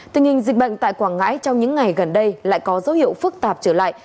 tình hình dịch bệnh tại quảng ngãi trong những ngày gần đây lại có dấu hiệu phức tạp trở lại